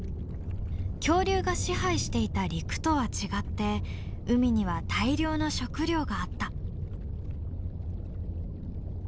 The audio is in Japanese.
恐竜が支配していた陸とは違って海には大量の食糧があった。